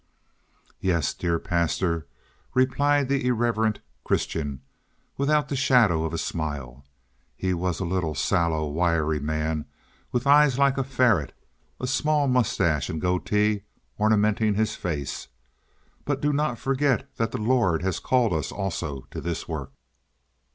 "Yes, dear Pastor," replied the irreverent Christian, without the shadow of a smile. He was a little sallow, wiry man with eyes like a ferret, a small mustache and goatee ornamenting his face. "But do not forget that the Lord has called us also to this work."